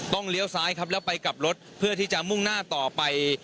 เลี้ยวซ้ายครับแล้วไปกลับรถเพื่อที่จะมุ่งหน้าต่อไป